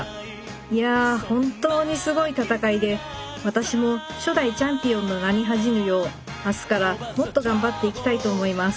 いやあ本当にすごい戦いで私も初代チャンピオンの名に恥じぬよう明日からもっと頑張っていきたいと思います。